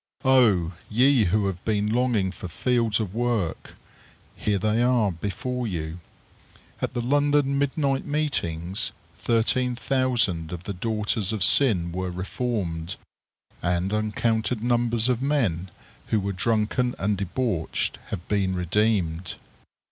Oh! ye who have been longing for fields of work, here they are before you. At the London midnight meetings, thirteen thousand of the daughters of sin were reformed; and uncounted numbers of men, who were drunken and debauched, have been redeemed.